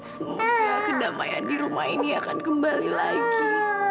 semoga kedamaian di rumah ini akan kembali lagi